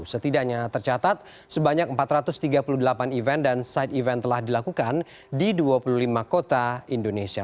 setidaknya tercatat sebanyak empat ratus tiga puluh delapan event dan side event telah dilakukan di dua puluh lima kota indonesia